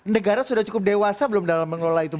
negara sudah cukup dewasa belum dalam mengelola itu